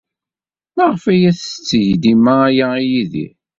Maɣef ay as-tetteg dima aya i Yidir?